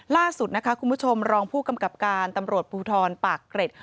ล่าสุดนะคะคุณผู้ชมรองผู้กำกับการตำรวจภูทรปากเกร็ด